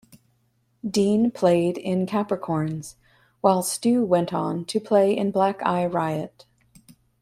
Dean played in Capricorns, while Stu went on to play in Black Eye Riot.